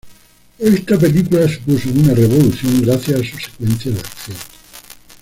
Esta película supuso una revolución gracias a sus secuencias de acción.